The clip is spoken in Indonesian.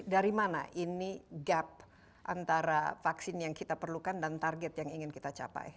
dari mana ini gap antara vaksin yang kita perlukan dan target yang ingin kita capai